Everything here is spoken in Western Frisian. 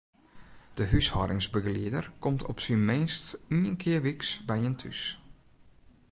De húshâldingsbegelieder komt op syn minst ien kear wyks by jin thús.